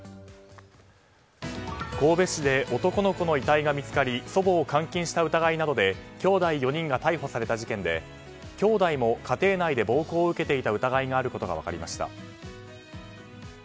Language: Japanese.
神戸市で男の子の遺体が見つかり祖母を監禁した疑いなどできょうだい４人が逮捕された事件できょうだいも家庭内で暴行を受けていた疑いがあることが分かりました。